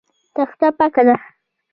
تخته پاکه ده.